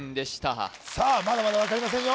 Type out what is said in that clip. すげえなさあまだまだ分かりませんよ